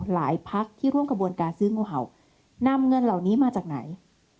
หลายภักดิ์ที่ร่วมกับการซื้อมฮ่าวนำเงินเหล่านี้มาจากไหน